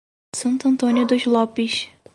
Santo Antônio dos Lopes